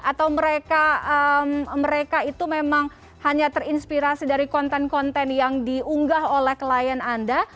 atau mereka itu memang hanya terinspirasi dari konten konten yang diunggah oleh klien anda